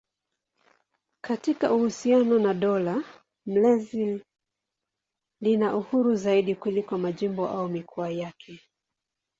Katika uhusiano na dola mlezi lina uhuru zaidi kuliko majimbo au mikoa yake.